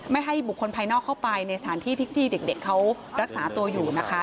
ให้บุคคลภายนอกเข้าไปในสถานที่ที่เด็กเขารักษาตัวอยู่นะคะ